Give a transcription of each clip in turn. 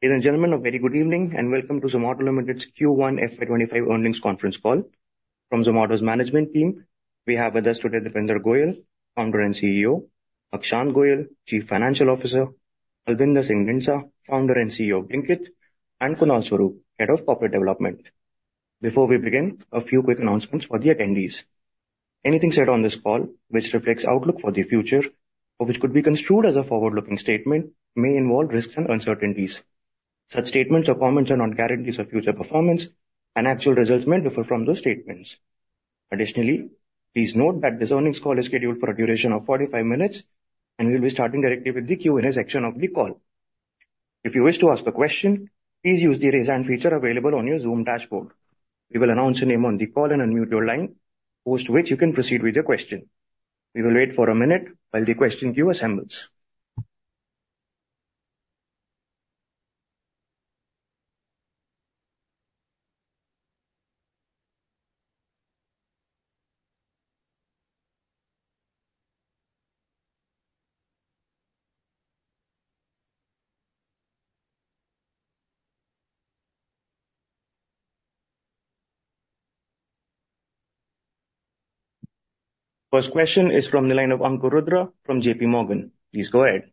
Ladies and gentlemen, a very good evening and welcome to Zomato Limited's Q1 FY25 Earnings Conference Call. From Zomato's management team, we have with us today Deepinder Goyal, Founder and CEO, Akshant Goyal, Chief Financial Officer, Albinder Dhindsa, Founder and CEO, Venkat, and Kunal Swarup, Head of Corporate Development. Before we begin, a few quick announcements for the attendees. Anything said on this call, which reflects outlook for the future, or which could be construed as a forward-looking statement, may involve risks and uncertainties. Such statements or comments are not guarantees of future performance, and actual results may differ from those statements. Additionally, please note that this earnings call is scheduled for a duration of 45 minutes, and we'll be starting directly with the Q&A section of the call. If you wish to ask a question, please use the raise hand feature available on your Zoom dashboard. We will announce your name on the call and unmute your line, post which you can proceed with your question. We will wait for a minute while the question queue assembles. First question is from the line of Ankur Rudra from JPMorgan. Please go ahead.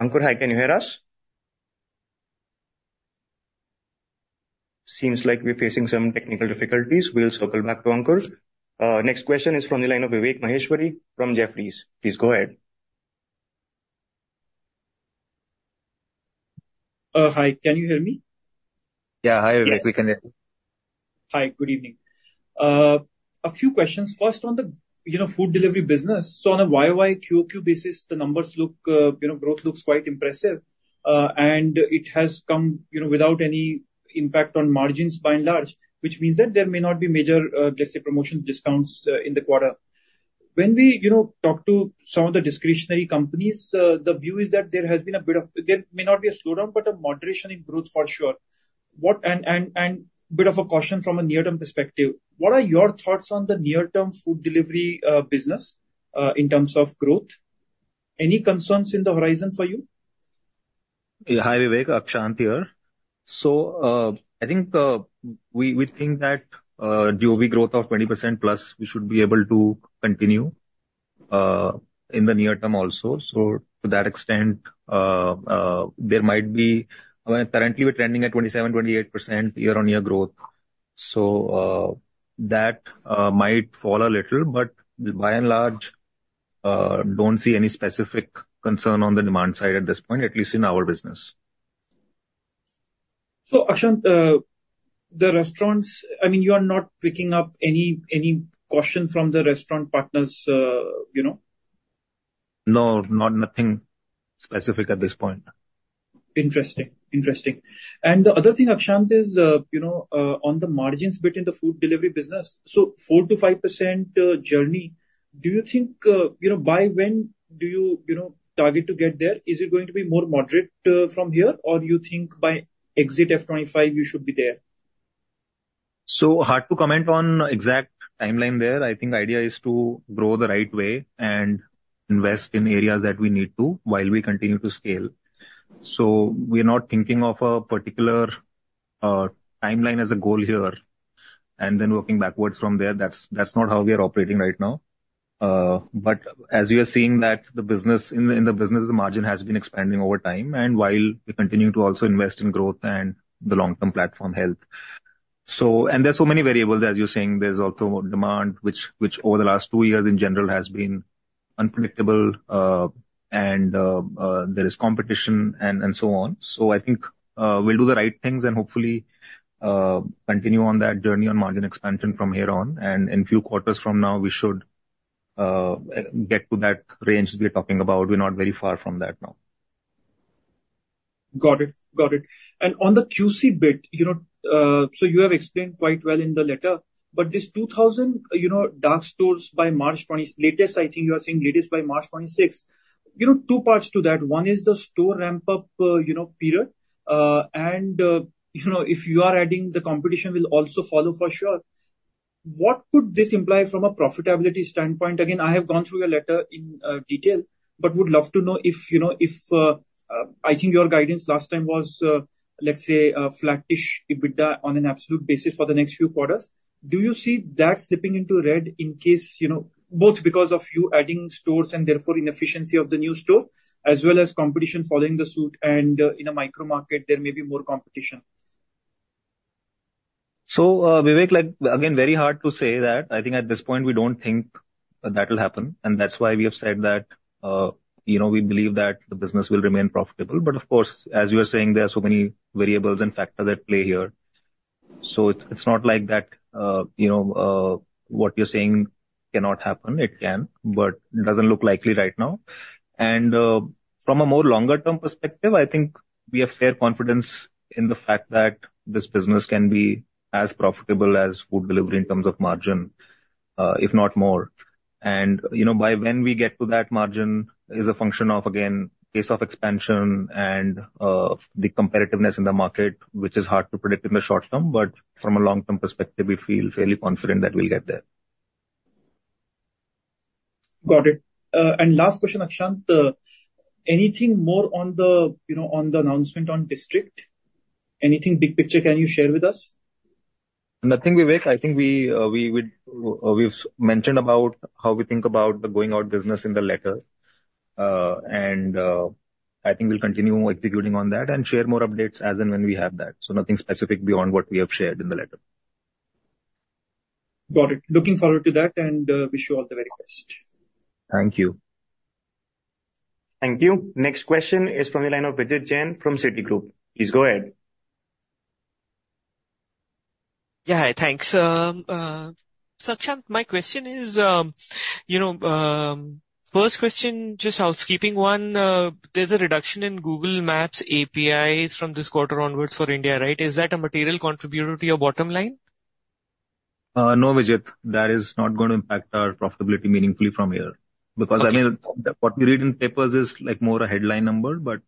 Ankur, hi, can you hear us? Seems like we're facing some technical difficulties. We'll circle back to Ankur. Next question is from the line of Vivek Maheshwari from Jefferies. Please go ahead. Hi, can you hear me? Yeah, hi, Vivek. We can hear you. Hi, good evening. A few questions. First, on the food delivery business. So on a Y-o-Y, Q-o-Q basis, the numbers look, growth looks quite impressive. And it has come without any impact on margins by and large, which means that there may not be major, let's say, promotion discounts in the quarter. When we talk to some of the discretionary companies, the view is that there has been a bit of, there may not be a slowdown, but a moderation in growth for sure. And a bit of a caution from a near-term perspective. What are your thoughts on the near-term food delivery business in terms of growth? Any concerns in the horizon for you? Hi, Vivek. Akshant here. So I think we think that GOV growth of 20%+, we should be able to continue in the near term also. So to that extent, there might be, currently we're trending at 27%, 28% year-on-year growth. So that might fall a little, but by and large, don't see any specific concern on the demand side at this point, at least in our business. So Akshant, the restaurants, I mean, you are not picking up any caution from the restaurant partners? No, not nothing specific at this point. Interesting. Interesting. And the other thing, Akshant, is on the margins bit in the food delivery business. So 4%-5% journey, do you think by when do you target to get there? Is it going to be more moderate from here, or do you think by exit FY25, you should be there? So hard to comment on exact timeline there. I think the idea is to grow the right way and invest in areas that we need to while we continue to scale. So we're not thinking of a particular timeline as a goal here. And then working backwards from there, that's not how we are operating right now. But as you are seeing that in the business, the margin has been expanding over time, and while we continue to also invest in growth and the long-term platform health. And there's so many variables, as you're saying. There's also demand, which over the last two years in general has been unpredictable, and there is competition and so on. So I think we'll do the right things and hopefully continue on that journey on margin expansion from here on. In a few quarters from now, we should get to that range we're talking about. We're not very far from that now. Got it. Got it. On the QC bit, so you have explained quite well in the letter, but this 2,000 dark stores by March 2026, latest, I think you are saying latest by March 2026. Two parts to that. One is the store ramp-up period. And if you are adding, the competition will also follow for sure. What could this imply from a profitability standpoint? Again, I have gone through your letter in detail, but would love to know if I think your guidance last time was, let's say, a flattish EBITDA on an absolute basis for the next few quarters. Do you see that slipping into red in case both because of you adding stores and therefore inefficiency of the new store, as well as competition following the suit, and in a micro market, there may be more competition? So Vivek, again, very hard to say that. I think at this point, we don't think that will happen. And that's why we have said that we believe that the business will remain profitable. But of course, as you are saying, there are so many variables and factors that play here. So it's not like that what you're saying cannot happen. It can, but it doesn't look likely right now. And from a more longer-term perspective, I think we have fair confidence in the fact that this business can be as profitable as food delivery in terms of margin, if not more. And by when we get to that margin is a function of, again, case of expansion and the competitiveness in the market, which is hard to predict in the short term. But from a long-term perspective, we feel fairly confident that we'll get there. Got it. And last question, Akshant, anything more on the announcement on District? Anything big picture can you share with us? Nothing, Vivek. I think we've mentioned about how we think about the going-out business in the letter. I think we'll continue executing on that and share more updates as and when we have that. Nothing specific beyond what we have shared in the letter. Got it. Looking forward to that and wish you all the very best. Thank you. Thank you. Next question is from the line of Vijit Jain from Citigroup. Please go ahead. Yeah, hi. Thanks. So Akshant, my question is, first question, just housekeeping one. There's a reduction in Google Maps APIs from this quarter onwards for India, right? Is that a material contributor to your bottom line? No, Vijit. That is not going to impact our profitability meaningfully from here. Because I mean, what we read in papers is more a headline number, but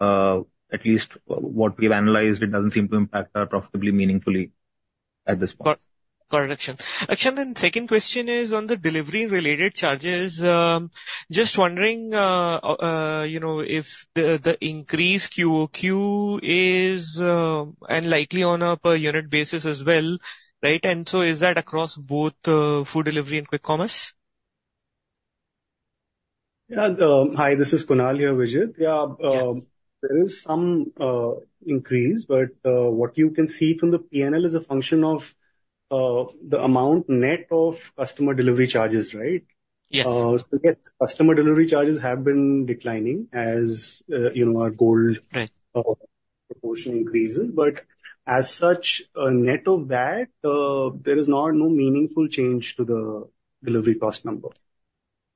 at least what we've analyzed, it doesn't seem to impact our profitability meaningfully at this point. Got it, Akshant. Akshant, then second question is on the delivery-related charges. Just wondering if the increased QOQ is likely on a per-unit basis as well, right? And so is that across both food delivery and quick commerce? Yeah. Hi, this is Kunal here, Vijit. Yeah, there is some increase, but what you can see from the P&L is a function of the amount net of customer delivery charges, right? Yes. So yes, customer delivery charges have been declining as our gold proportion increases. But as such, net of that, there is no meaningful change to the delivery cost number.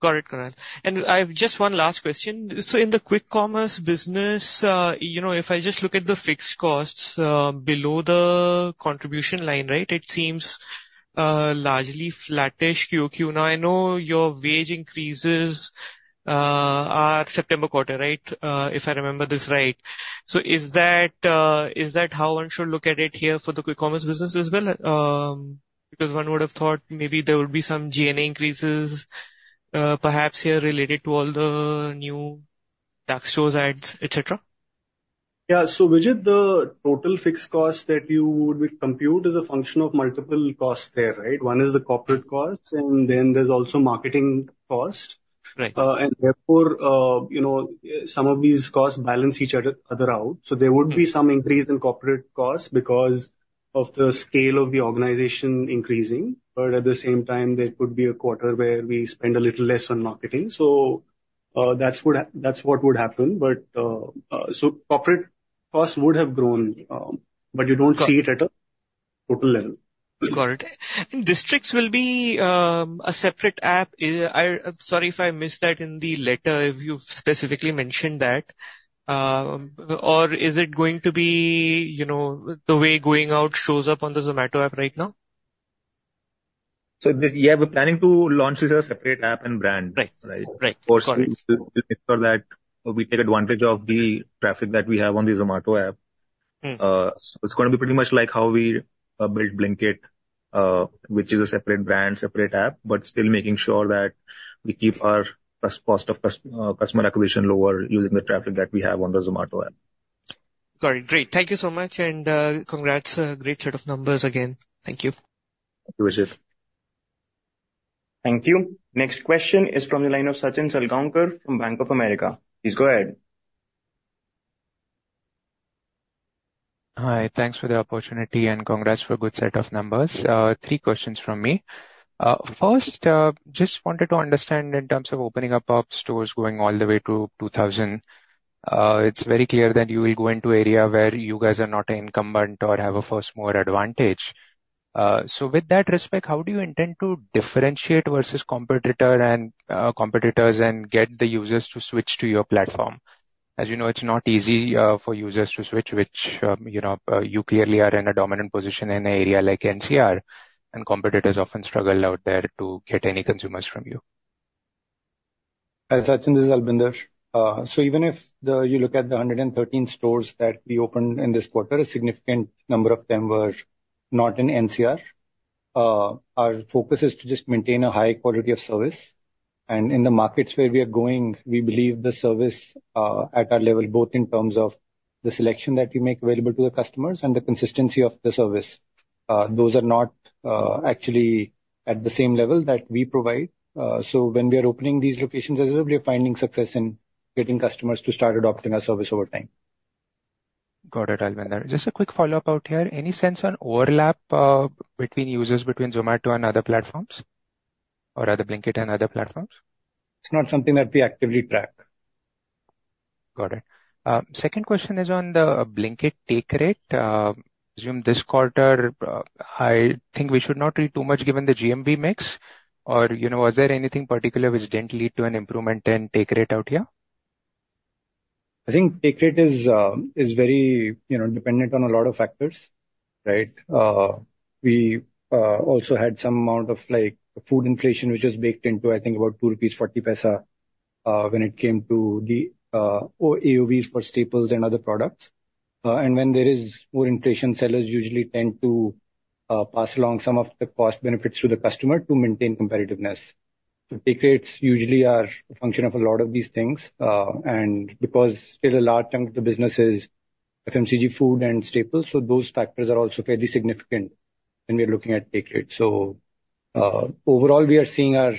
Got it, Kunal. And I have just one last question. So in the quick commerce business, if I just look at the fixed costs below the contribution line, right, it seems largely flattish QOQ. Now, I know your wage increases are September quarter, right, if I remember this right. So is that how one should look at it here for the quick commerce business as well? Because one would have thought maybe there would be some G&A increases perhaps here related to all the new dark stores and, etc.? Yeah. So Vijit, the total fixed cost that you would compute is a function of multiple costs there, right? One is the corporate cost, and then there's also marketing cost. And therefore, some of these costs balance each other out. So there would be some increase in corporate costs because of the scale of the organization increasing. But at the same time, there could be a quarter where we spend a little less on marketing. So that's what would happen. But so corporate costs would have grown, but you don't see it at a total level. Got it. And District will be a separate app? Sorry if I missed that in the letter if you specifically mentioned that. Or is it going to be the way Going Out shows up on the Zomato app right now? So yeah, we're planning to launch this as a separate app and brand. Right. Right. Got it. We'll make sure that we take advantage of the traffic that we have on the Zomato app. It's going to be pretty much like how we built Blinkit, which is a separate brand, separate app, but still making sure that we keep our cost of customer acquisition lower using the traffic that we have on the Zomato app. Got it. Great. Thank you so much. And congrats. Great set of numbers again. Thank you. Thank you, Vijit. Thank you. Next question is from the line of Sachin Salgaonkar from Bank of America. Please go ahead. Hi. Thanks for the opportunity and congrats for a good set of numbers. Three questions from me. First, just wanted to understand in terms of opening up stores going all the way to 2000, it's very clear that you will go into an area where you guys are not incumbent or have a first-mover advantage. So with that respect, how do you intend to differentiate versus competitors and get the users to switch to your platform? As you know, it's not easy for users to switch, which you clearly are in a dominant position in an area like NCR, and competitors often struggle out there to get any consumers from you. As Sachin is Albinder. So even if you look at the 113 stores that we opened in this quarter, a significant number of them were not in NCR. Our focus is to just maintain a high quality of service. And in the markets where we are going, we believe the service at our level, both in terms of the selection that we make available to the customers and the consistency of the service, those are not actually at the same level that we provide. So when we are opening these locations, as well, we are finding success in getting customers to start adopting our service over time. Got it, Albinder. Just a quick follow-up out here. Any sense on overlap between users between Zomato and other platforms or other Blinkit and other platforms? It's not something that we actively track. Got it. Second question is on the Blinkit take rate. Assume this quarter, I think we should not read too much given the GMV mix. Or was there anything particular which didn't lead to an improvement in take rate out here? I think take rate is very dependent on a lot of factors, right? We also had some amount of food inflation, which was baked into, I think, about 2.40 rupees when it came to the AOVs for staples and other products. When there is more inflation, sellers usually tend to pass along some of the cost benefits to the customer to maintain competitiveness. Take rates usually are a function of a lot of these things. Because still a large chunk of the business is FMCG food and staples, so those factors are also fairly significant when we are looking at take rates. Overall, we are seeing our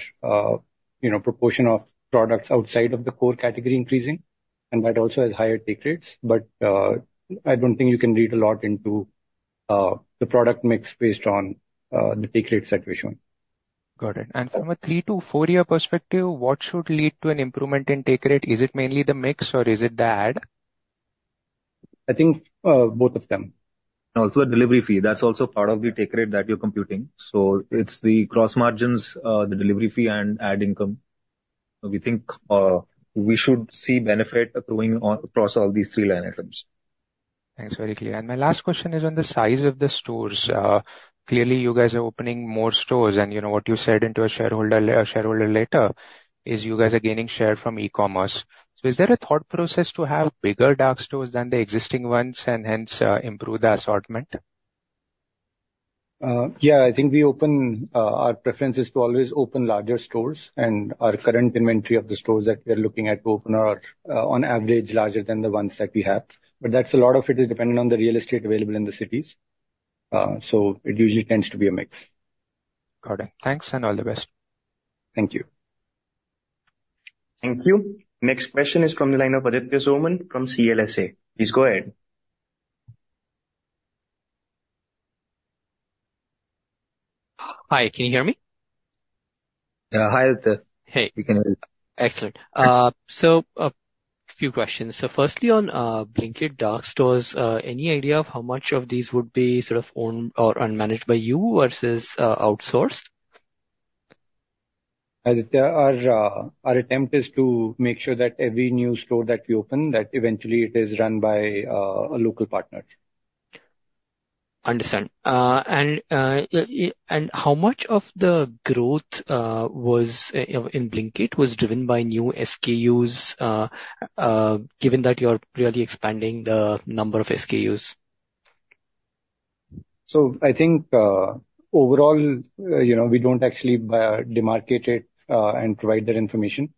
proportion of products outside of the core category increasing, and that also has higher take rates. But I don't think you can read a lot into the product mix based on the take rates that we're showing. Got it. From a 3-4-year perspective, what should lead to an improvement in take rate? Is it mainly the mix, or is it the ad? I think both of them. And also the delivery fee. That's also part of the take rate that you're computing. So it's the gross margins, the delivery fee, and ad income. We think we should see benefit accruing across all these three line items. Thanks. Very clear. My last question is on the size of the stores. Clearly, you guys are opening more stores. And what you said in the shareholder letter is you guys are gaining share from e-commerce. So is there a thought process to have bigger dark stores than the existing ones and hence improve the assortment? Yeah. I think our preference is to always open larger stores. And our current inventory of the stores that we are looking at to open are on average larger than the ones that we have. But that's a lot of it, is dependent on the real estate available in the cities. So it usually tends to be a mix. Got it. Thanks and all the best. Thank you. Thank you. Next question is from the line of Aditya Soman from CLSA. Please go ahead. Hi. Can you hear me? Yeah. Hi, Aditya. Hey. We can hear you. Excellent. So a few questions. So firstly, on Blinkit dark stores, any idea of how much of these would be sort of owned or unmanaged by you versus outsourced? Aditya, our attempt is to make sure that every new store that we open, that eventually it is run by a local partner. Understand. How much of the growth in Blinkit was driven by new SKUs, given that you're really expanding the number of SKUs? So I think overall, we don't actually demarcate it and provide that information.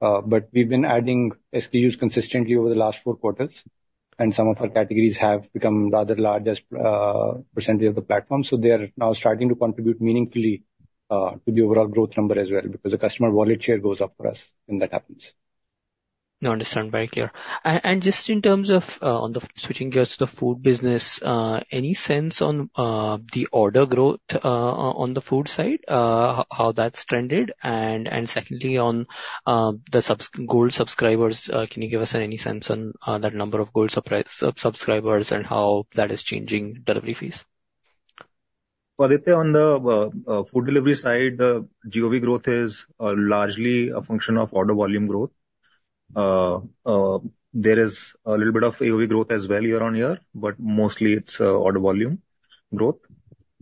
But we've been adding SKUs consistently over the last four quarters. And some of our categories have become rather large as percentage of the platform. So they are now starting to contribute meaningfully to the overall growth number as well because the customer wallet share goes up for us when that happens. No, understand. Very clear. And just in terms of switching gears to the food business, any sense on the order growth on the food side, how that's trended? And secondly, on the gold subscribers, can you give us any sense on that number of gold subscribers and how that is changing delivery fees? Well, Aditya, on the food delivery side, the GOV growth is largely a function of order volume growth. There is a little bit of AOV growth as well year-on-year, but mostly it's order volume growth.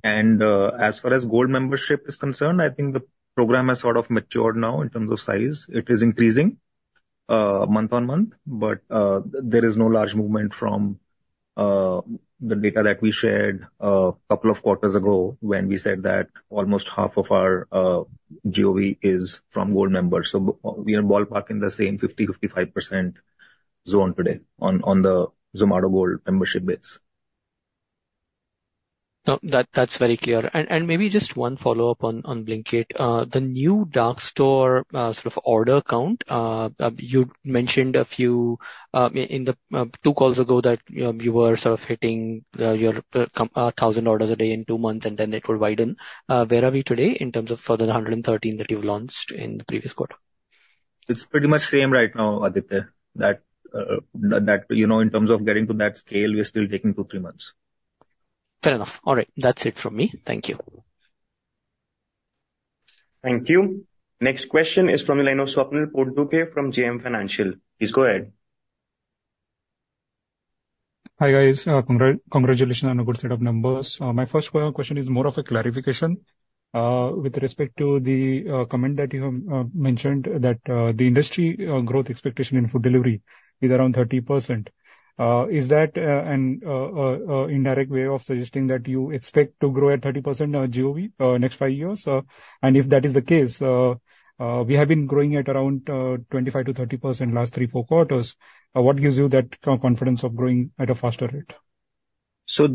As far as gold membership is concerned, I think the program has sort of matured now in terms of size. It is increasing month-on-month, but there is no large movement from the data that we shared a couple of quarters ago when we said that almost half of our GOV is from gold members. We are ballparking the same 50%-55% zone today on the Zomato Gold membership base. That's very clear. Maybe just one follow-up on Blinkit. The new dark store sort of order count, you mentioned a few in the two calls ago that you were sort of hitting your 1,000 orders a day in two months, and then it would widen. Where are we today in terms of for the 113 that you've launched in the previous quarter? It's pretty much same right now, Aditya. In terms of getting to that scale, we're still taking 2-3 months. Fair enough. All right. That's it from me. Thank you. Thank you. Next question is from the line of Swapnil Potdukhe from JM Financial. Please go ahead. Hi guys. Congratulations on a good set of numbers. My first question is more of a clarification. With respect to the comment that you mentioned that the industry growth expectation in food delivery is around 30%, is that an indirect way of suggesting that you expect to grow at 30% GOV next five years? And if that is the case, we have been growing at around 25%-30% last three, four quarters. What gives you that confidence of growing at a faster rate?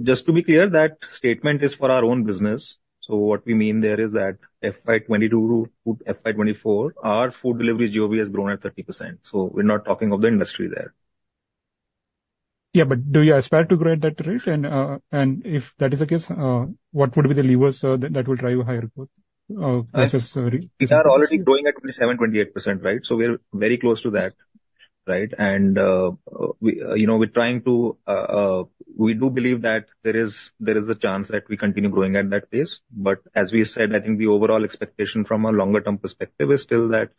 Just to be clear, that statement is for our own business. What we mean there is that FY2022 to FY2024, our food delivery GOV has grown at 30%. We're not talking of the industry there. Yeah, but do you aspire to grow at that rate? And if that is the case, what would be the levers that will drive a higher growth? We are already growing at 27%-28%, right? So we're very close to that, right? And we're trying to, we do believe that there is a chance that we continue growing at that pace. But as we said, I think the overall expectation from a longer-term perspective is still that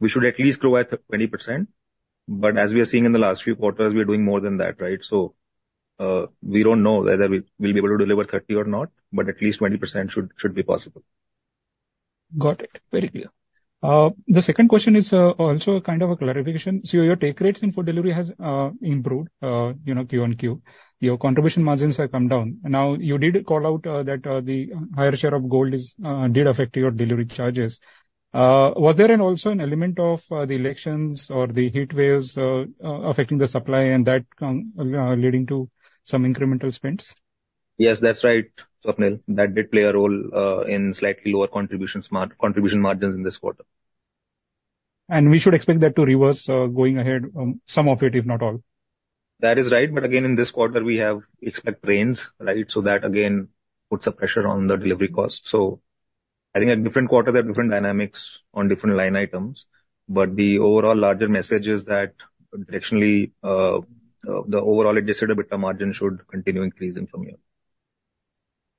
we should at least grow at 20%. But as we are seeing in the last few quarters, we are doing more than that, right? So we don't know whether we'll be able to deliver 30% or not, but at least 20% should be possible. Got it. Very clear. The second question is also kind of a clarification. Your take rates in food delivery have improved quarter-over-quarter. Your contribution margins have come down. Now, you did call out that the higher share of Gold did affect your delivery charges. Was there also an element of the elections or the heat waves affecting the supply and that leading to some incremental spends? Yes, that's right, Swapnil. That did play a role in slightly lower contribution margins in this quarter. We should expect that to reverse going ahead, some of it, if not all. That is right. But again, in this quarter, we have expect rains, right? So that again puts a pressure on the delivery cost. So I think at different quarters, there are different dynamics on different line items. But the overall larger message is that, additionally, the overall adjusted EBITDA margin should continue increasing from here.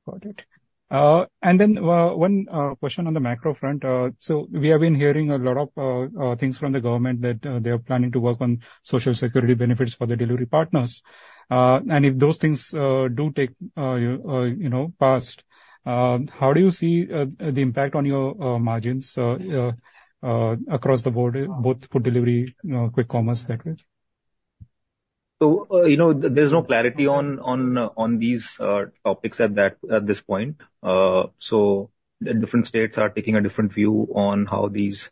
Got it. And then one question on the macro front. So we have been hearing a lot of things from the government that they are planning to work on social security benefits for the delivery partners. And if those things do take place, how do you see the impact on your margins across the board, both food delivery, quick commerce that way? There's no clarity on these topics at this point. Different states are taking a different view on how these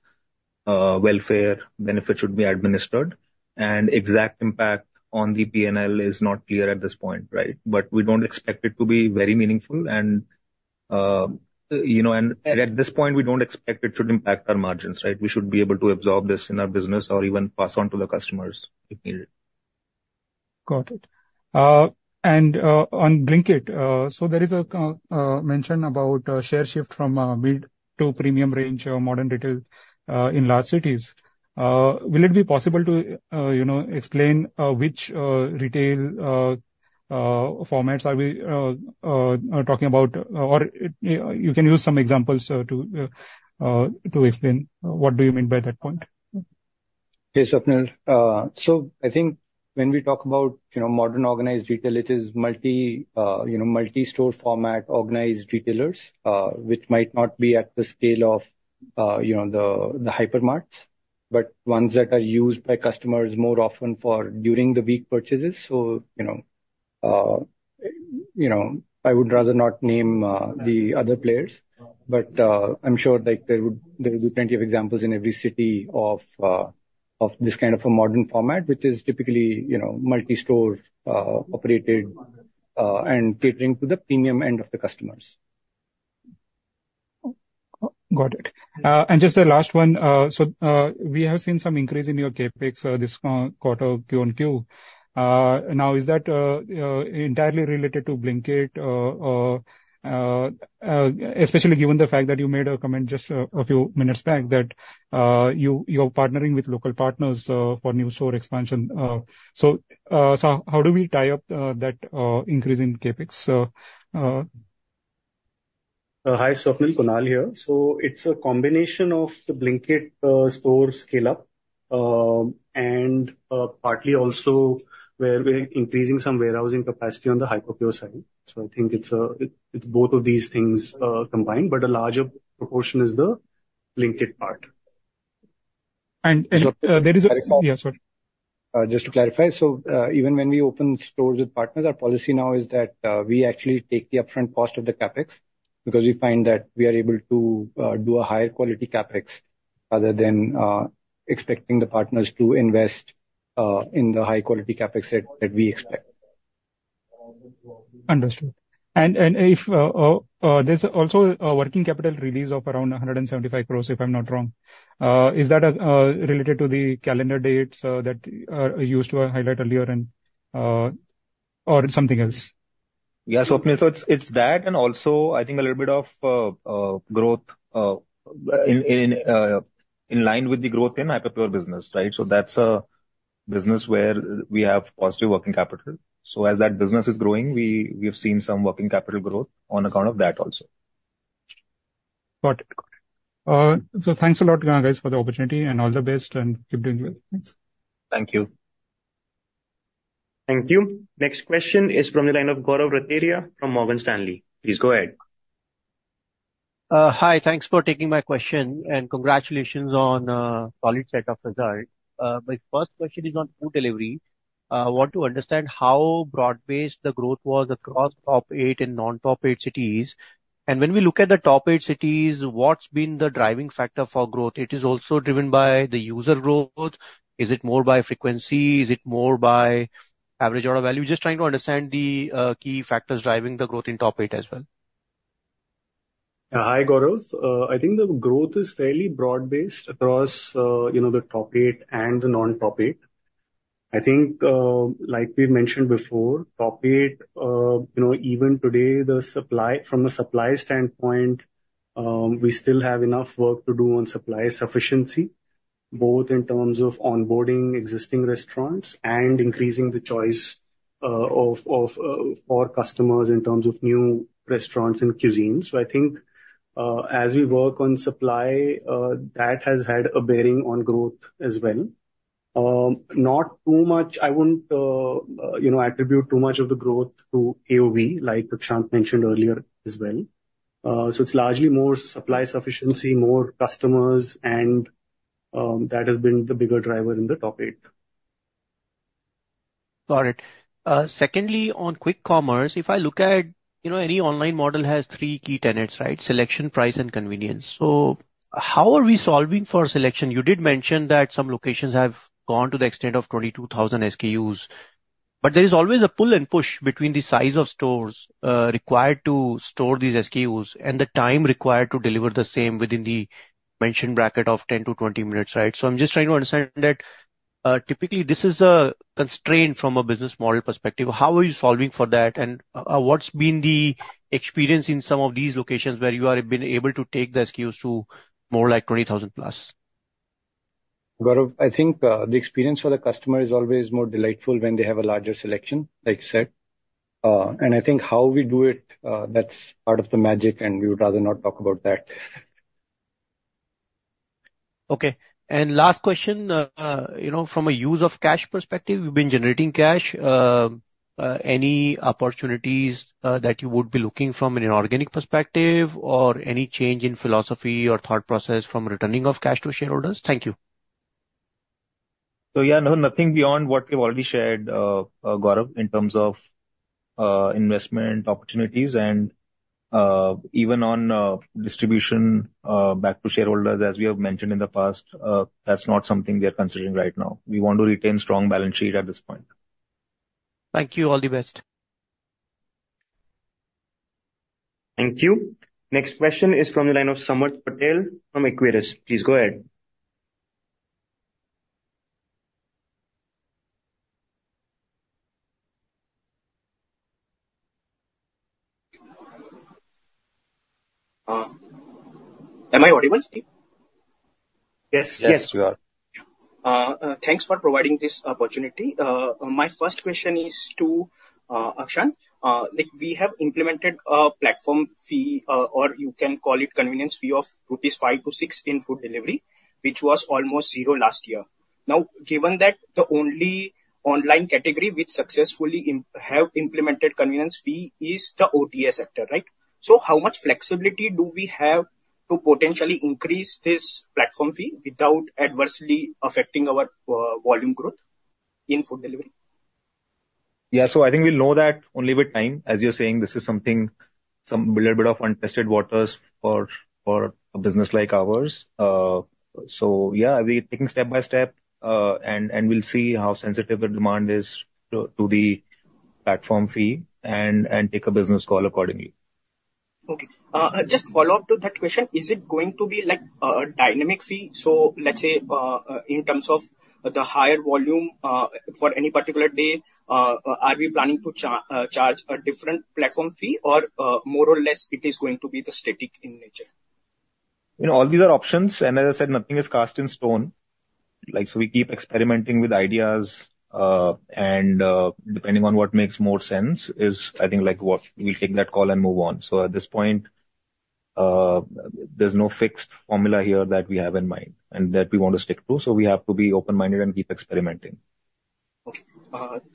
welfare benefits should be administered. Exact impact on the P&L is not clear at this point, right? But we don't expect it to be very meaningful. At this point, we don't expect it should impact our margins, right? We should be able to absorb this in our business or even pass on to the customers if needed. Got it. On Blinkit, so there is a mention about share shift from mid to premium range or modern retail in large cities. Will it be possible to explain which retail formats are we talking about? Or you can use some examples to explain what do you mean by that point. Okay, Swapnil. So I think when we talk about modern organized retail, it is multi-store format organized retailers, which might not be at the scale of the hypermarts, but ones that are used by customers more often for during-the-week purchases. I would rather not name the other players, but I'm sure there would be plenty of examples in every city of this kind of a modern format, which is typically multi-store operated and catering to the premium end of the customers. Got it. Just the last one. We have seen some increase in your CapEx this quarter, Q on Q. Now, is that entirely related to Blinkit, especially given the fact that you made a comment just a few minutes back that you are partnering with local partners for new store expansion? How do we tie up that increase in CapEx? Hi, Swapnil, Kunal here. So it's a combination of the Blinkit store scale-up and partly also where we're increasing some warehousing capacity on the Hyperpure side. So I think it's both of these things combined, but a larger proportion is the Blinkit part. And there is a--yeah, sorry. Just to clarify, so even when we open stores with partners, our policy now is that we actually take the upfront cost of the Capex because we find that we are able to do a higher quality Capex rather than expecting the partners to invest in the high-quality Capex that we expect. Understood. There's also a working capital release of around 175 crore, if I'm not wrong. Is that related to the calendar dates that you used to highlight earlier or something else? Yeah, Swapnil. So it's that, and also I think a little bit of growth in line with the growth in Hyperpure business, right? So that's a business where we have positive working capital. So as that business is growing, we have seen some working capital growth on account of that also. Got it. Got it. So thanks a lot, guys, for the opportunity and all the best, and keep doing well. Thanks. Thank you. Thank you. Next question is from the line of Gaurav Rateria from Morgan Stanley. Please go ahead. Hi. Thanks for taking my question, and congratulations on a solid set of results. My first question is on food delivery. I want to understand how broad-based the growth was across top eight and non-top eight cities. When we look at the top eight cities, what's been the driving factor for growth? It is also driven by the user growth. Is it more by frequency? Is it more by average order value? Just trying to understand the key factors driving the growth in top eight as well. Hi, Gaurav. I think the growth is fairly broad-based across the top eight and the non-top eight. I think, like we've mentioned before, top eight, even today, from a supply standpoint, we still have enough work to do on supply sufficiency, both in terms of onboarding existing restaurants and increasing the choice for customers in terms of new restaurants and cuisines. So I think as we work on supply, that has had a bearing on growth as well. Not too much. I wouldn't attribute too much of the growth to AOV, like Akshant mentioned earlier as well. So it's largely more supply sufficiency, more customers, and that has been the bigger driver in the top eight. Got it. Secondly, on quick commerce, if I look at any online model has three key tenets, right? Selection, price, and convenience. So how are we solving for selection? You did mention that some locations have gone to the extent of 22,000 SKUs, but there is always a pull and push between the size of stores required to store these SKUs and the time required to deliver the same within the mentioned bracket of 10-20 minutes, right? So I'm just trying to understand that typically this is a constraint from a business model perspective. How are you solving for that? And what's been the experience in some of these locations where you have been able to take the SKUs to more like 20,000+? Gaurav, I think the experience for the customer is always more delightful when they have a larger selection, like you said. And I think how we do it, that's part of the magic, and we would rather not talk about that. Okay. Last question, from a use of cash perspective, you've been generating cash. Any opportunities that you would be looking from an organic perspective or any change in philosophy or thought process from returning of cash to shareholders? Thank you. Yeah, nothing beyond what we've already shared, Gaurav, in terms of investment opportunities. Even on distribution back to shareholders, as we have mentioned in the past, that's not something we are considering right now. We want to retain a strong balance sheet at this point. Thank you. All the best. Thank you. Next question is from the line of Samarth Patel from Equirus. Please go ahead. Am I audible? Yes. Yes, you are. Thanks for providing this opportunity. My first question is to Akshant. We have implemented a platform fee, or you can call it convenience fee of 5-6 rupees in food delivery, which was almost zero last year. Now, given that the only online category which successfully has implemented convenience fee is the OTA sector, right? So how much flexibility do we have to potentially increase this platform fee without adversely affecting our volume growth in food delivery? Yeah. So I think we'll know that only with time. As you're saying, this is something, some little bit of untested waters for a business like ours. So yeah, we're taking step by step, and we'll see how sensitive the demand is to the platform fee and take a business call accordingly. Okay. Just follow up to that question. Is it going to be like a dynamic fee? So let's say in terms of the higher volume for any particular day, are we planning to charge a different platform fee, or more or less it is going to be static in nature? All these are options. As I said, nothing is cast in stone. We keep experimenting with ideas, and depending on what makes more sense is, I think, what we'll take that call and move on. At this point, there's no fixed formula here that we have in mind and that we want to stick to. We have to be open-minded and keep experimenting. Okay.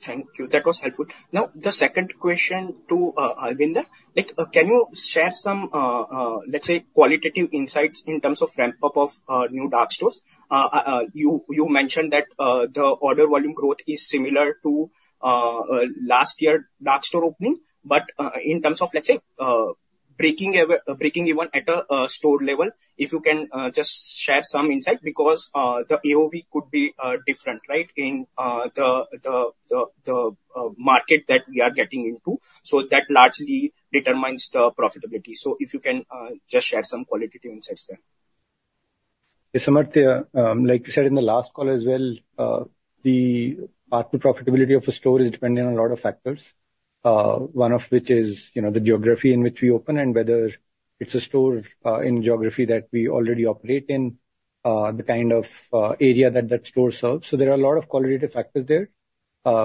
Thank you. That was helpful. Now, the second question to Albinder, can you share some, let's say, qualitative insights in terms of ramp-up of new dark stores? You mentioned that the order volume growth is similar to last year's dark store opening, but in terms of, let's say, breaking even at a store level, if you can just share some insight because the AOV could be different, right, in the market that we are getting into. So that largely determines the profitability. So if you can just share some qualitative insights there. Okay. Samarth, like you said in the last call as well, the profitability of a store is dependent on a lot of factors, one of which is the geography in which we open and whether it's a store in geography that we already operate in, the kind of area that that store serves. So there are a lot of qualitative factors there.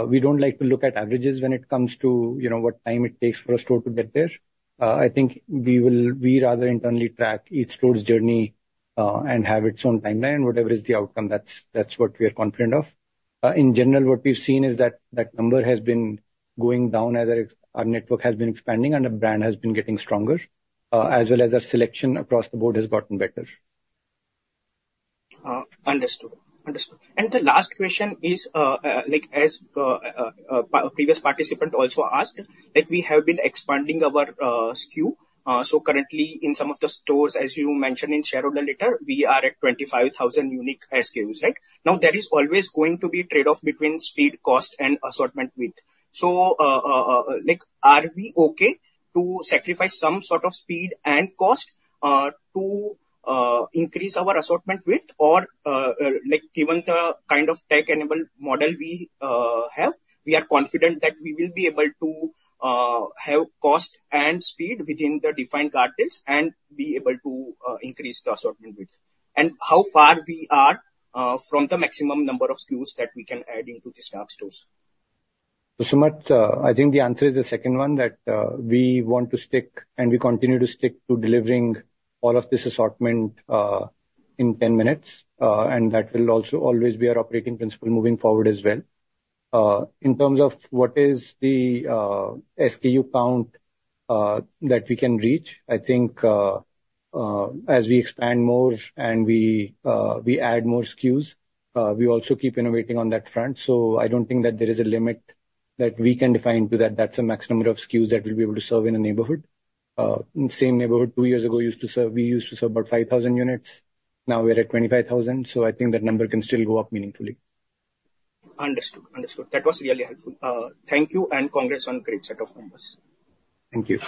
We don't like to look at averages when it comes to what time it takes for a store to get there. I think we rather internally track each store's journey and have its own timeline and whatever is the outcome. That's what we are confident of. In general, what we've seen is that that number has been going down as our network has been expanding and the brand has been getting stronger, as well as our selection across the board has gotten better. Understood. Understood. The last question is, as a previous participant also asked, we have been expanding our SKU. Currently, in some of the stores, as you mentioned in Shareholder Letter, we are at 25,000 unique SKUs, right? Now, there is always going to be trade-off between speed, cost, and assortment width. Are we okay to sacrifice some sort of speed and cost to increase our assortment width? Or given the kind of tech-enabled model we have, we are confident that we will be able to have cost and speed within the defined guardrails and be able to increase the assortment width? How far are we from the maximum number of SKUs that we can add into these dark stores? So Samarth, I think the answer is the second one, that we want to stick and we continue to stick to delivering all of this assortment in 10 minutes. And that will also always be our operating principle moving forward as well. In terms of what is the SKU count that we can reach, I think as we expand more and we add more SKUs, we also keep innovating on that front. So I don't think that there is a limit that we can define to that. That's the maximum number of SKUs that we'll be able to serve in a neighborhood. Same neighborhood two years ago used to serve. We used to serve about 5,000 units. Now we're at 25,000. So I think that number can still go up meaningfully. Understood. Understood. That was really helpful. Thank you, and congrats on a great set of numbers. Thank you.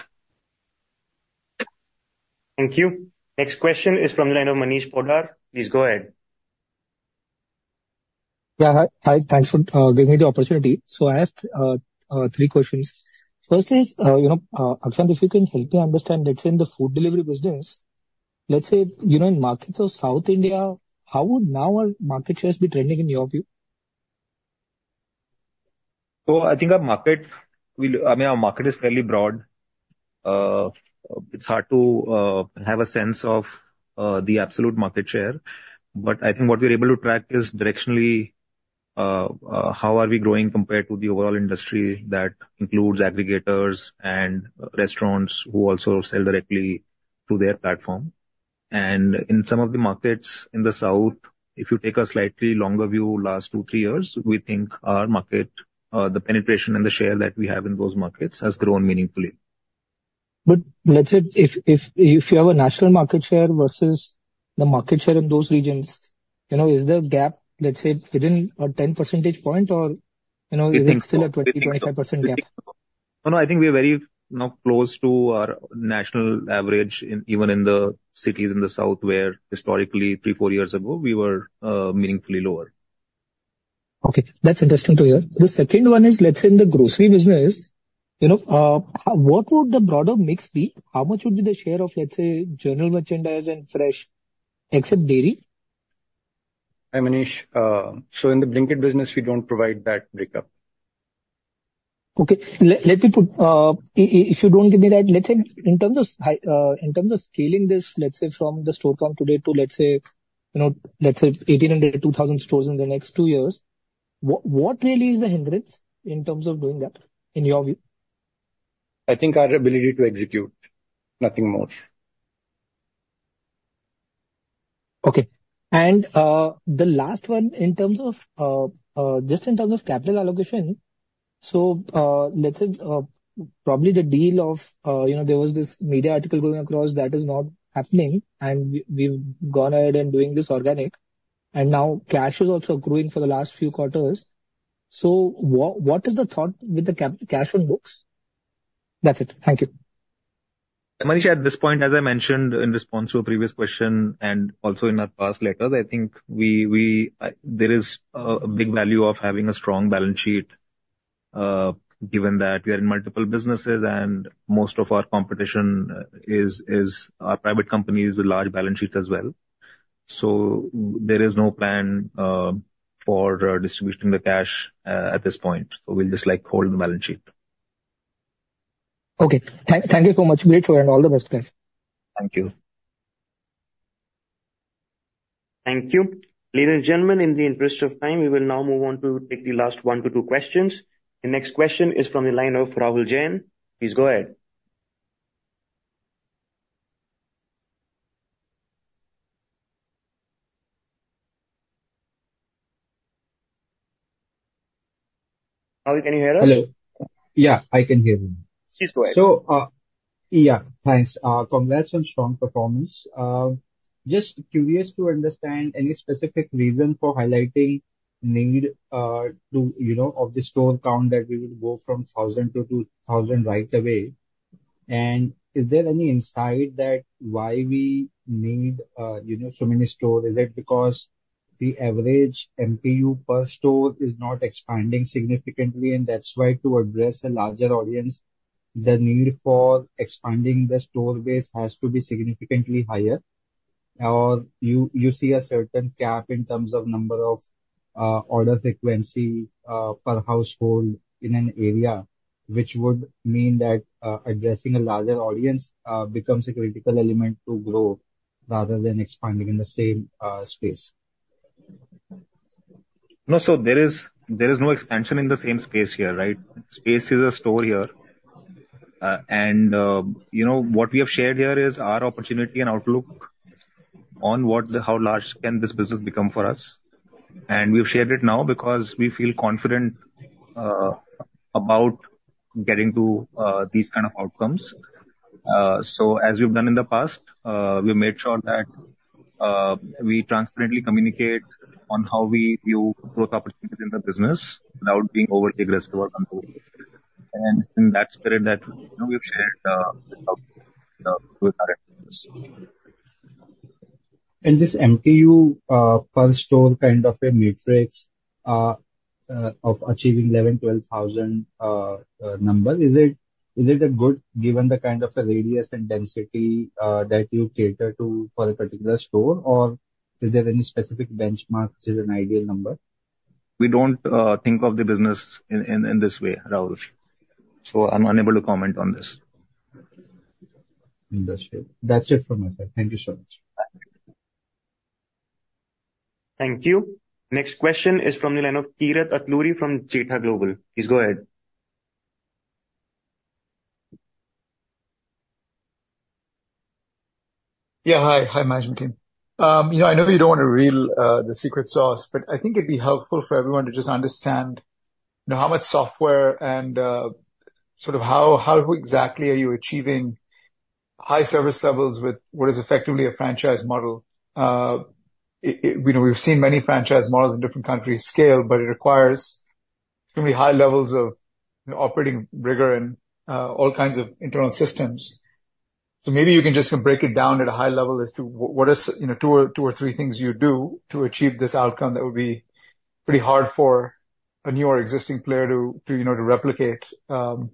Thank you. Next question is from the line of Manish Poddar. Please go ahead. Yeah. Hi. Thanks for giving me the opportunity. So I have three questions. First is, Akshant, if you can help me understand, let's say in the food delivery business, let's say in markets of South India, how would now our market shares be trending in your view? I think our market, I mean, our market is fairly broad. It's hard to have a sense of the absolute market share. I think what we're able to track is directionally how are we growing compared to the overall industry that includes aggregators and restaurants who also sell directly through their platform. In some of the markets in the south, if you take a slightly longer view, last 2 years-3 years, we think our market, the penetration and the share that we have in those markets has grown meaningfully. But let's say if you have a national market share versus the market share in those regions, is the gap, let's say, within a 10 percentage point or is it still a 20%, 25% gap? No, no. I think we're very close to our national average, even in the cities in the south where historically, 3 years, 4 years ago, we were meaningfully lower. Okay. That's interesting to hear. The second one is, let's say in the grocery business, what would the broader mix be? How much would be the share of, let's say, general merchandise and fresh except dairy? Hi, Manish. So in the Blinkit business, we don't provide that breakup. Okay. Let me put, if you don't give me that, let's say in terms of scaling this, let's say from the store count today to, let's say, 1,800, 2,000 stores in the next two years, what really is the hindrance in terms of doing that in your view? I think our ability to execute. Nothing more. Okay. And the last one, just in terms of capital allocation, so let's say probably the deal, there was this media article going across that is not happening, and we've gone ahead and doing this organic. And now cash is also accruing for the last few quarters. So what is the thought with the cash on books? That's it. Thank you. Manish, at this point, as I mentioned in response to a previous question and also in our past letters, I think there is a big value of having a strong balance sheet given that we are in multiple businesses and most of our competition is our private companies with large balance sheets as well. So there is no plan for distributing the cash at this point. So we'll just hold the balance sheet. Okay. Thank you so much. Great show and all the best, guys. Thank you. Thank you. Ladies and gentlemen, in the interest of time, we will now move on to take the last 1-2 questions. The next question is from the line of Rahul Jain. Please go ahead. Rahul, can you hear us? Hello. Yeah, I can hear you. Please go ahead. So yeah, thanks. Congrats on strong performance. Just curious to understand any specific reason for highlighting need of the store count that we would go from 1,000 to 2,000 right away? And is there any insight that why we need so many stores? Is it because the average MPU per store is not expanding significantly? And that's why to address a larger audience, the need for expanding the store base has to be significantly higher? Or you see a certain cap in terms of number of order frequency per household in an area, which would mean that addressing a larger audience becomes a critical element to grow rather than expanding in the same space? No, so there is no expansion in the same space here, right? Space is a store here. And what we have shared here is our opportunity and outlook on how large can this business become for us. And we've shared it now because we feel confident about getting to these kind of outcomes. So as we've done in the past, we've made sure that we transparently communicate on how we view growth opportunities in the business without being overly aggressive or conclusive. And in that spirit that we've shared with our end users. This MPU per store kind of a matrix of achieving 11,000, 12,000 number, is it a good given the kind of radius and density that you cater to for a particular store? Or is there any specific benchmark which is an ideal number? We don't think of the business in this way, Rahul. So I'm unable to comment on this. Understood. That's it from my side. Thank you so much. Thank you. Next question is from the line of Kirat Puri from Jetha Global. Please go ahead. Yeah. Hi, Manish and team. I know you don't want to reveal the secret sauce, but I think it'd be helpful for everyone to just understand how much software and sort of how exactly are you achieving high service levels with what is effectively a franchise model? We've seen many franchise models in different countries scale, but it requires extremely high levels of operating rigor and all kinds of internal systems. So maybe you can just break it down at a high level as to what are two or three things you do to achieve this outcome that would be pretty hard for a new or existing player to replicate? Because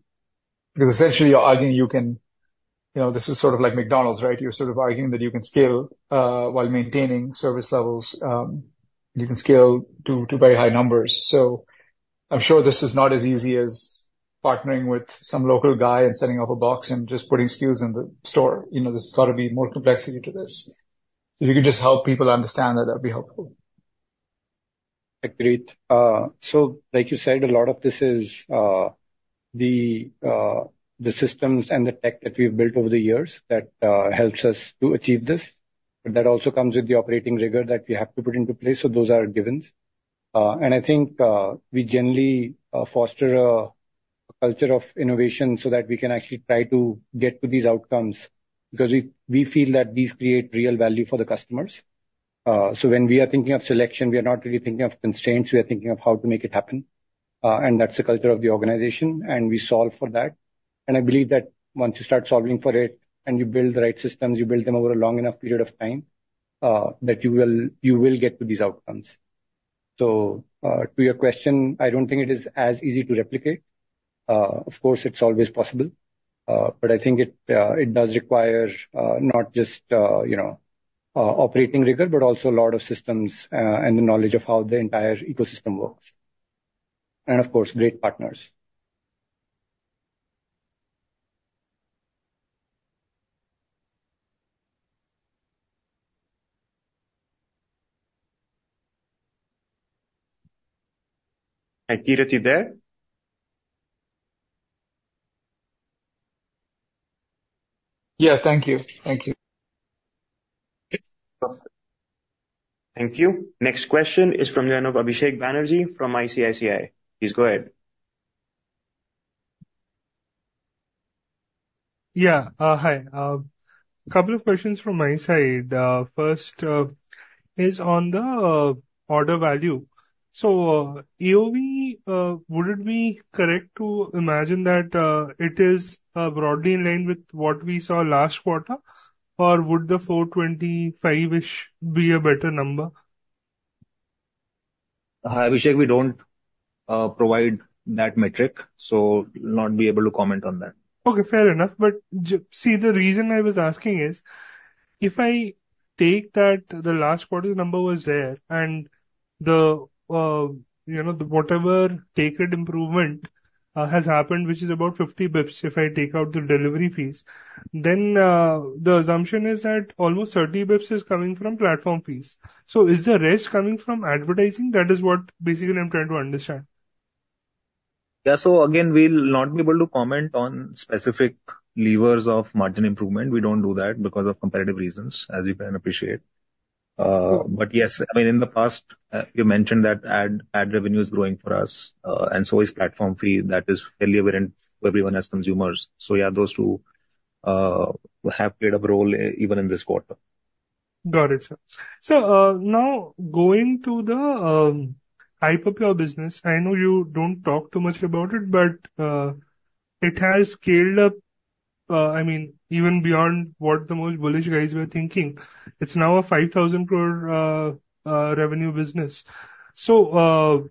essentially, you're arguing you can - this is sort of like McDonald's, right? You're sort of arguing that you can scale while maintaining service levels. You can scale to very high numbers. I'm sure this is not as easy as partnering with some local guy and setting up a box and just putting SKUs in the store. There's got to be more complexity to this. If you could just help people understand that, that would be helpful. Agreed. So like you said, a lot of this is the systems and the tech that we've built over the years that helps us to achieve this. But that also comes with the operating rigor that we have to put into place. So those are givens. And I think we generally foster a culture of innovation so that we can actually try to get to these outcomes because we feel that these create real value for the customers. So when we are thinking of selection, we are not really thinking of constraints. We are thinking of how to make it happen. And that's the culture of the organization. And we solve for that. And I believe that once you start solving for it and you build the right systems, you build them over a long enough period of time, that you will get to these outcomes. To your question, I don't think it is as easy to replicate. Of course, it's always possible. But I think it does require not just operating rigor, but also a lot of systems and the knowledge of how the entire ecosystem works. And of course, great partners. Hi, Kirat, you there? Yeah. Thank you. Thank you. Thank you. Next question is from the line of Abhishek Banerjee from ICICI. Please go ahead. Yeah. Hi. A couple of questions from my side. First is on the order value. So AOV, would it be correct to imagine that it is broadly in line with what we saw last quarter? Or would the 425-ish be a better number? Abhishek, we don't provide that metric. So I'll not be able to comment on that. Okay. Fair enough. But see, the reason I was asking is if I take that the last quarter's number was there and the whatever take rate improvement has happened, which is about 50 bips, if I take out the delivery fees, then the assumption is that almost 30 bips is coming from platform fees. So is the rest coming from advertising? That is what basically I'm trying to understand. Yeah. So again, we'll not be able to comment on specific levers of margin improvement. We don't do that because of competitive reasons, as you can appreciate. But yes, I mean, in the past, you mentioned that ad revenue is growing for us. And so is platform fee. That is fairly evident to everyone as consumers. So yeah, those two have played a role even in this quarter. Got it, sir. So now going to the Hyperpure of your business, I know you don't talk too much about it, but it has scaled up, I mean, even beyond what the most bullish guys were thinking. It's now an 5,000 crore revenue business. So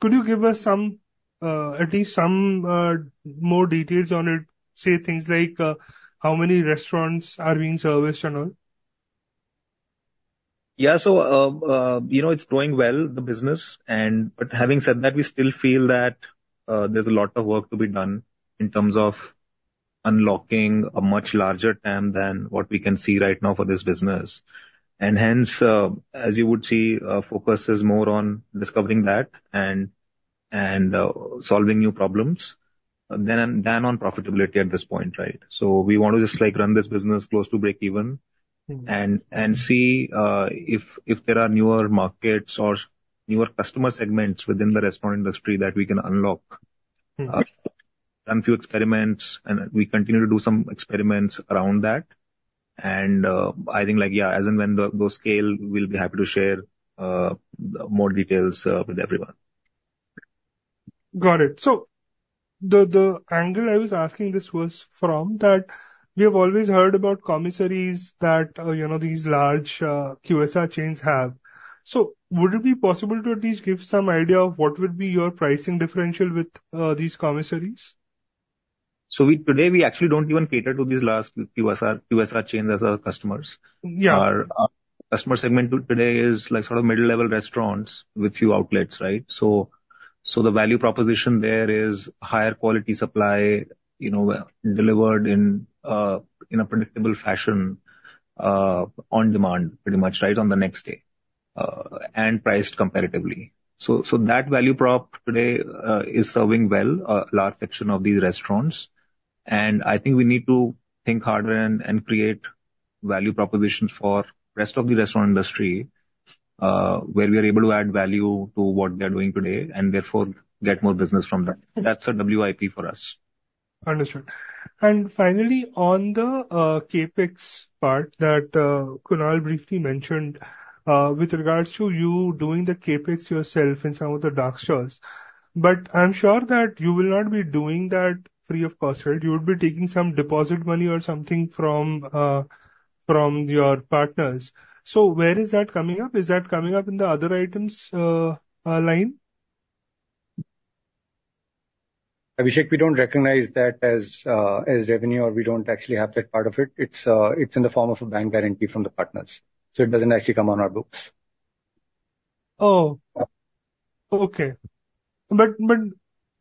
could you give us at least some more details on it? Say things like how many restaurants are being serviced and all? Yeah. So it's growing well, the business. But having said that, we still feel that there's a lot of work to be done in terms of unlocking a much larger TAM than what we can see right now for this business. And hence, as you would see, focus is more on discovering that and solving new problems than on profitability at this point, right? So we want to just run this business close to break even and see if there are newer markets or newer customer segments within the restaurant industry that we can unlock, run a few experiments, and we continue to do some experiments around that. And I think, yeah, as and when those scale, we'll be happy to share more details with everyone. Got it. So the angle I was asking this was from that we have always heard about commissaries that these large QSR chains have. So would it be possible to at least give some idea of what would be your pricing differential with these commissaries? So today, we actually don't even cater to these last QSR chains as our customers. Our customer segment today is sort of middle-level restaurants with few outlets, right? So the value proposition there is higher quality supply delivered in a predictable fashion on demand, pretty much, right, on the next day and priced comparatively. So that value prop today is serving well, a large section of these restaurants. And I think we need to think harder and create value propositions for the rest of the restaurant industry where we are able to add value to what they are doing today and therefore get more business from that. That's a WIP for us. Understood. Finally, on the CapEx part that Kunal briefly mentioned with regards to you doing the CapEx yourself in some of the dark stores. I'm sure that you will not be doing that free of cost, right? You would be taking some deposit money or something from your partners. Where is that coming up? Is that coming up in the other items line? Abhishek, we don't recognize that as revenue, or we don't actually have that part of it. It's in the form of a bank guarantee from the partners. So it doesn't actually come on our books. Oh, okay. But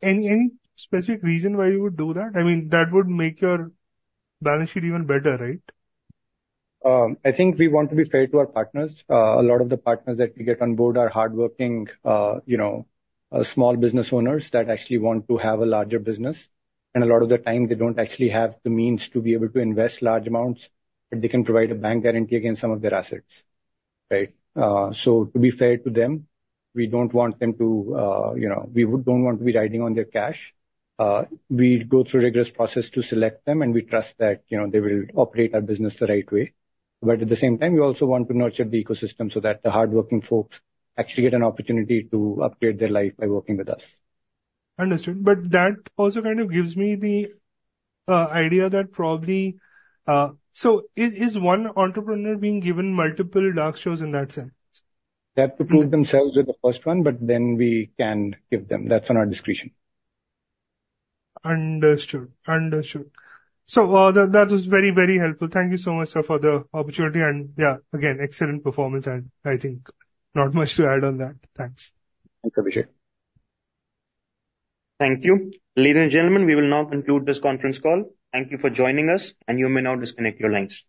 any specific reason why you would do that? I mean, that would make your balance sheet even better, right? I think we want to be fair to our partners. A lot of the partners that we get on board are hardworking small business owners that actually want to have a larger business. A lot of the time, they don't actually have the means to be able to invest large amounts, but they can provide a bank guarantee against some of their assets, right? So to be fair to them, we don't want them to—we don't want to be riding on their cash. We go through a rigorous process to select them, and we trust that they will operate our business the right way. But at the same time, we also want to nurture the ecosystem so that the hardworking folks actually get an opportunity to upgrade their life by working with us. Understood. But that also kind of gives me the idea that probably, so is one entrepreneur being given multiple dark stores in that sense? They have to prove themselves with the first one, but then we can give them. That's on our discretion. Understood. Understood. So that was very, very helpful. Thank you so much for the opportunity. And yeah, again, excellent performance. And I think not much to add on that. Thanks. Thanks, Abhishek. Thank you. Ladies and gentlemen, we will now conclude this conference call. Thank you for joining us, and you may now disconnect your lines.